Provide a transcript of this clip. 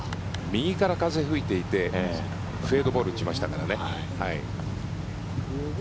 右から風が吹いていてフェードボールを打ちましたからね。